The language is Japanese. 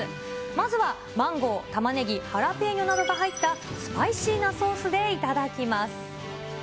まずは、マンゴー、タマネギ、ハラペーニョなどが入ったスパイシーなソースで頂きます。